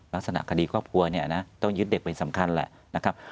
ลักษณะคดีครอบครัวต้องยึดเด็กเป็นสำคัญแหละ